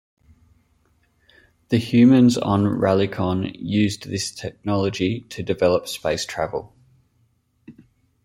The humans on Raylicon used this technology to develop space travel.